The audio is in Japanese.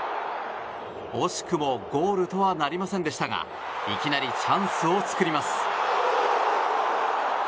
惜しくもゴールとはなりませんでしたがいきなりチャンスを作ります。